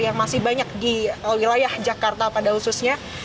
yang masih banyak di wilayah jakarta pada khususnya